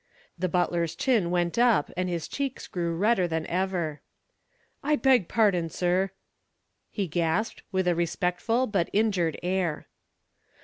The butler's chin went up and his cheeks grew redder than ever. "I beg pardon, sir," he gasped, with a respectful but injured air.